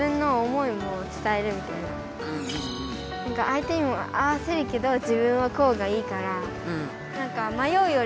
相手にも合わせるけど自分はこうがいいから。